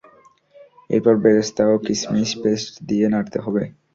এরপর বেরেস্তা ও কিসমিস পেস্ট দিয়ে নাড়তে হবে।